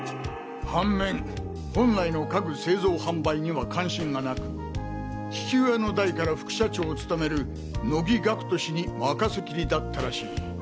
反面本来の家具製造販売には関心がなく父親の代から副社長を務める乃木岳人氏に任せきりだったらしい。